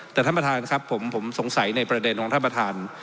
แต่ท่านประธานครับผมสงสัยในประเด็นของท่านประธาน